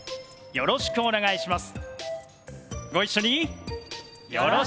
よろしくお願いします。